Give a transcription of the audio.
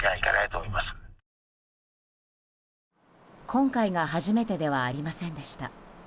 今回が初めてではありませんでした。